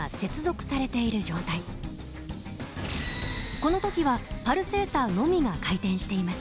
この時はパルセーターのみが回転しています。